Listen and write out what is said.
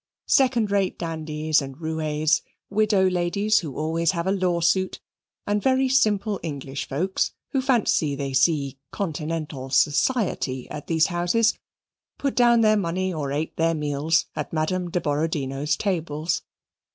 Second rate dandies and roues, widow ladies who always have a lawsuit, and very simple English folks, who fancy they see "Continental society" at these houses, put down their money, or ate their meals, at Madame de Borodino's tables.